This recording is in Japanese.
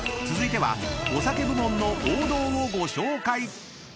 続いてはお酒部門の王道をご紹介］